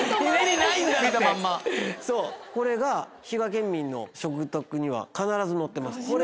そうこれが滋賀県民の食卓には必ず載ってます。